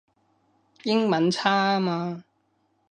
英文差吖嘛